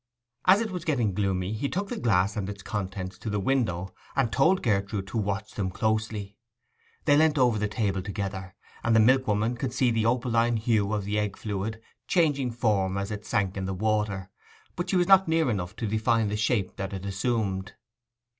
As it was getting gloomy, he took the glass and its contents to the window, and told Gertrude to watch them closely. They leant over the table together, and the milkwoman could see the opaline hue of the egg fluid changing form as it sank in the water, but she was not near enough to define the shape that it assumed.